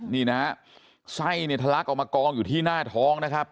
นี่นะฮะไส้เนี่ยทะลักออกมากองอยู่ที่หน้าท้องนะครับ